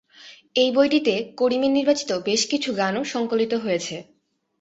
এ বইটিতে করিমের নির্বাচিত বেশ কিছু গানও সংকলিত হয়েছে।